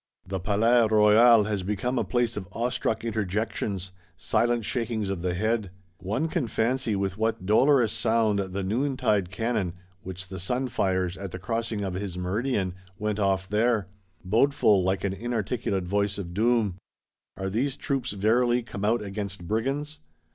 The Palais Royal has become a place of awestruck interjections, silent shakings of the head: one can fancy with what dolorous sound the noon tide cannon (which the Sun fires at the crossing of his meridian) went off there; bodeful, like an inarticulate voice of doom. Are these troops verily come out "against Brigands"?